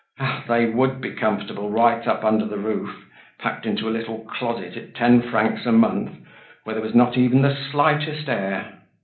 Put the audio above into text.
Ah! they would be comfortable, right up under the roof, packed into a little closet, at ten francs a month, where there was not even the slightest air.